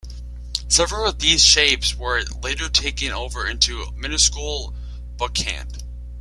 Several of these shapes were later taken over into minuscule book hand.